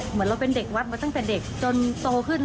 เหมือนเราเป็นเด็กวัดมาตั้งแต่เด็กจนโตขึ้น